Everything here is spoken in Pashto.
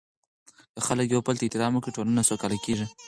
که خلک یو بل ته احترام ورکړي، ټولنه سوکاله کیږي.